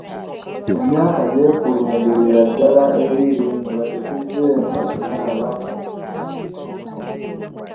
Emyaka gyekulungulira ddala ebiri nga tetuzzeemu kumulabako.